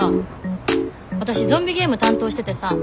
わたしゾンビゲーム担当しててさ。